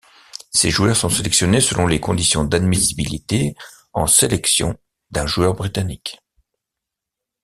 Ses joueurs sont sélectionnés selon les conditions d'admissibilité en sélection d'un joueur britannique.